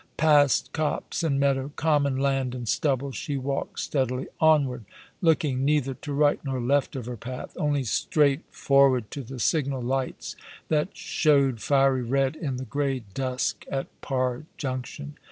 Past copse and meadow, common land and stubble, she walked steadily onward, looking neither to right nor left of her path, only straight forward to the signal lights that showed fiery red in the grey dusk at Par Junction.